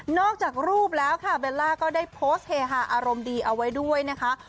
จากรูปแล้วค่ะเบลล่าก็ได้โพสต์เฮฮาอารมณ์ดีเอาไว้ด้วยนะคะ